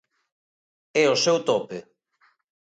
É o seu tope.